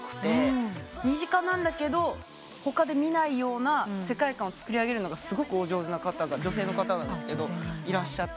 身近なんだけど他で見ないような世界観をつくりあげるのがすごくお上手な女性の方がいらっしゃって。